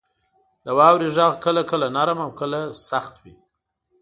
• د واورې غږ کله کله نرم او کله سخت وي.